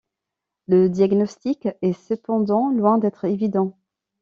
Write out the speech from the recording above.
Le diagnostic est cependant loin d'être évident.